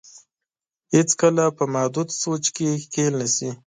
هېڅ کله په محدود سوچ کې ښکېل نه شي.